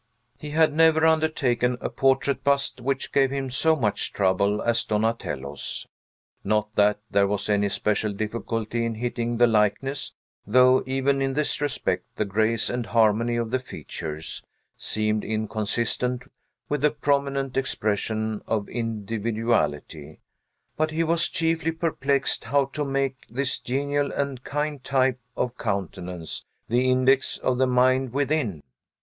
He had never undertaken a portrait bust which gave him so much trouble as Donatello's; not that there was any special difficulty in hitting the likeness, though even in this respect the grace and harmony of the features seemed inconsistent with a prominent expression of individuality; but he was chiefly perplexed how to make this genial and kind type of countenance the index of the mind within.